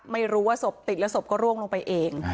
ไม่รู้ว่าศพติดแล้วศพก็ร่วงลงไปเอง